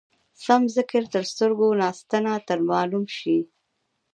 سم ذکر تر سترګو ناسنته در معلوم شي.